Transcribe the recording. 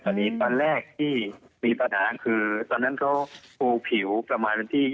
ตอนนี้ตอนแรกที่มีปัญหาคือตอนนั้นเขาปูผิวประมาณวันที่๒